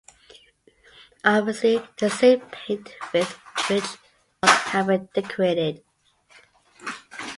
Obviously the same paint with which Charles had been decorated.